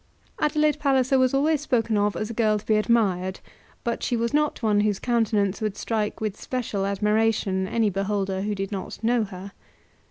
Adelaide Palliser was always spoken of as a girl to be admired; but she was not one whose countenance would strike with special admiration any beholder who did not know her.